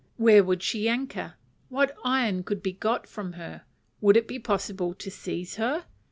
Where would she anchor? What iron could be got from her? Would it be possible to seize her?